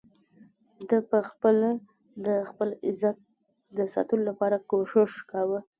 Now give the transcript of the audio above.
ده په خپله د خپل عزت د ساتلو لپاره کوشش کاوه.